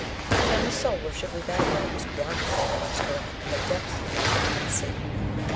And the soul of Shibli Bagarag was blinded by Rabesqurat in the depths of the Enchanted Sea.